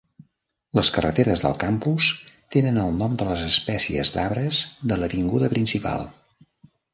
Les carreteres del campus tenen el nom de les espècies d'arbres de l'avinguda principal.